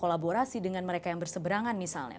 kolaborasi dengan mereka yang berseberangan misalnya